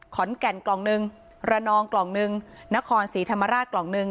กล่องหนึ่งระนองกล่องหนึ่งนครศรีธรรมราชกล่องหนึ่ง